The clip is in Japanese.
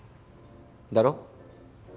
だろ？